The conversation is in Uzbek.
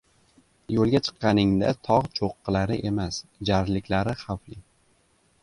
• Yo‘lga chiqqaningda tog‘ cho‘qqilari emas, jarliklari xavfli.